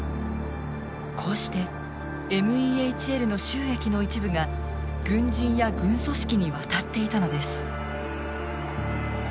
こうしてＭＥＨＬの収益の一部が軍人や軍組織に渡っていたのです。